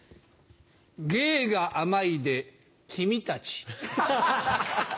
「芸」が「甘い」で君たち。